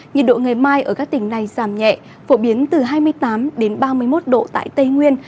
nhiệt độ ngày mai ở các tỉnh này giảm nhẹ phổ biến từ hai mươi tám ba mươi một độ tại tây nguyên